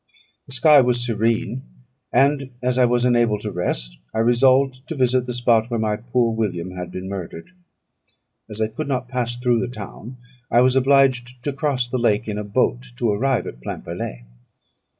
The sky was serene; and, as I was unable to rest, I resolved to visit the spot where my poor William had been murdered. As I could not pass through the town, I was obliged to cross the lake in a boat to arrive at Plainpalais.